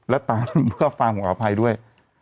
แล้วตามเพื่อฟังผมอภัยด้วย